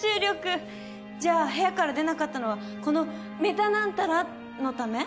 じゃあ部屋から出なかったのはこのメタナンタラのため？